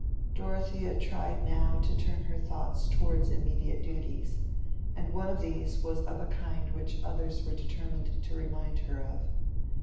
Dorothea tried now to turn her thoughts towards immediate duties, and one of these was of a kind which others were determined to remind her of.